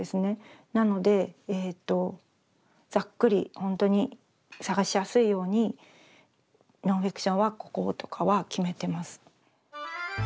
なのでえとざっくりほんとに探しやすいように「ノンフィクションはここ」とかは決めてます。